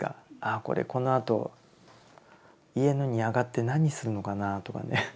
あこれこのあと家に上がって何するのかなとかね。